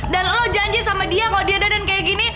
dan lo janji sama dia kalau dia dadan kayak gini